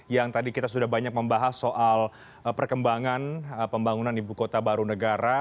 yang tadi kita sudah banyak membahas soal perkembangan pembangunan ibu kota baru negara